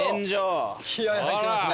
気合入ってますね。